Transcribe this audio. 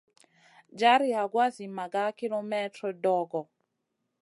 Jar yagoua zi maga kilemètre dogo.